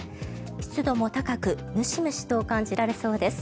湿度も高くムシムシと感じられそうです。